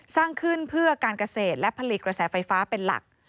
สร้างขึ้นเพื่อการเกษตรและผลิตกระแสไฟฟ้าเป็นหลัก